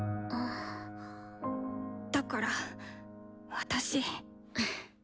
だから私。